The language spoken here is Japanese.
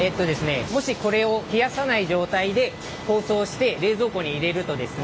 もしこれを冷やさない状態で包装して冷蔵庫に入れるとですね